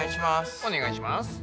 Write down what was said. お願いします。